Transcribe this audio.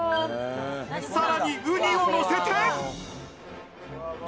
さらに、ウニをのせて。